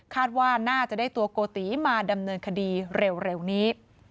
ว่าน่าจะได้ตัวโกติมาดำเนินคดีเร็วนี้